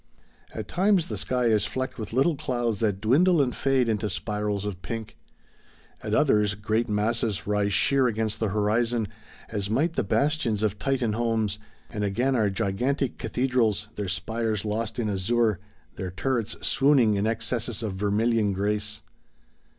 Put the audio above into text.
At times the sky is flecked with little clouds that dwindle and fade into spirals of pink; at others great masses rise sheer against the horizon, as might the bastions of Titan homes; and again are gigantic cathedrals, their spires lost in azure, their turrets swooning in excesses of vermilion grace.